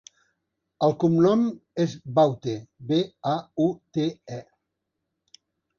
El cognom és Baute: be, a, u, te, e.